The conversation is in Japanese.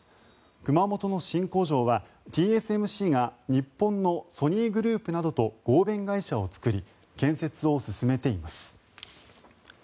熊本の新工場はＴＳＭＣが日本のソニーグループなどと合弁会社を作り建設を進めています。